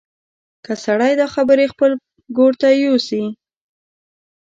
که سړی دا خبرې خپل ګور ته یوسي.